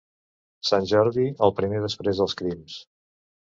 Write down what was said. Sant Jordi, el primer després dels crims.